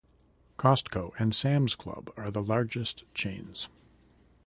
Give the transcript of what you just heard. Costco and Sam's Club are the largest chains.